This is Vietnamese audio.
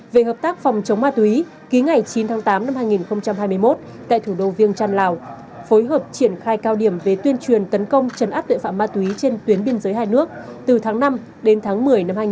về hợp tác phòng chống ma túy ký ngày chín tháng tám năm hai nghìn hai mươi một tại thủ đô viêng trăn lào phối hợp triển khai cao điểm về tuyên truyền tấn công chấn áp tội phạm ma túy trên tuyến biên giới hai nước từ tháng năm đến tháng một mươi năm hai nghìn hai mươi ba